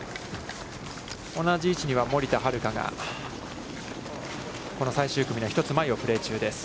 同じ位置には、森田遥が、この最終組の１つ前をプレー中です。